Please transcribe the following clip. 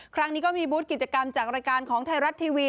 ครั้งนี้ก็มีบูธกิจกรรมจากรายการของไทยรัฐทีวี